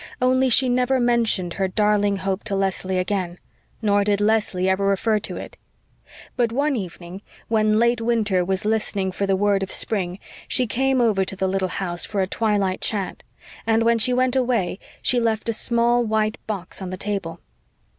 Only, she never mentioned her darling hope to Leslie again; nor did Leslie ever refer to it. But one evening, when late winter was listening for the word of spring, she came over to the little house for a twilight chat; and when she went away she left a small, white box on the table.